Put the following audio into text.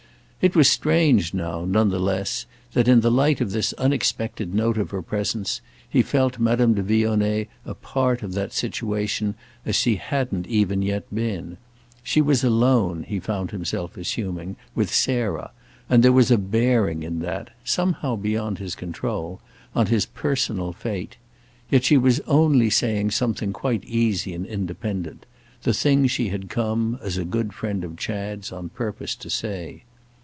It was strange now, none the less, that in the light of this unexpected note of her presence he felt Madame de Vionnet a part of that situation as she hadn't even yet been. She was alone, he found himself assuming, with Sarah, and there was a bearing in that—somehow beyond his control—on his personal fate. Yet she was only saying something quite easy and independent—the thing she had come, as a good friend of Chad's, on purpose to say.